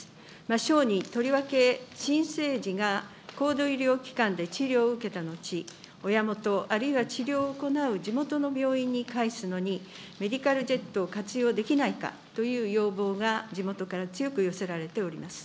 小児とりわけ新生児が高度医療機関で治療を受けた後、親元、あるいは治療を行う地元の病院に帰すのに、メディカルジェットを活用できないかという要望が地元から強く寄せられております。